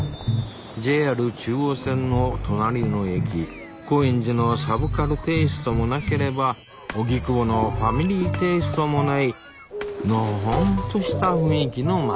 ＪＲ中央線の隣の駅高円寺のサブカルテイストもなければ荻窪のファミリーテイストもないのほほんとした雰囲気の町。